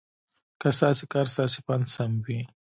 که ستاسې کار ستاسې په اند سم وي.